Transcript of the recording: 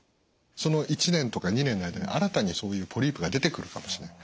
その１年とか２年の間に新たにそういうポリープが出てくるかもしれない。